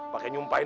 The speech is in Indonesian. pakai nyumpain aja